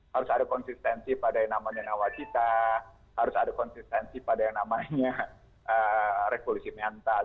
harus ada konsistensi pada yang namanya nawacita harus ada konsistensi pada yang namanya revolusi mental